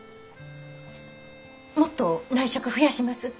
もっと内職増やします。